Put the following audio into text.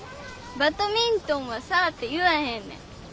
バドミントンは「サー」って言わへんねん。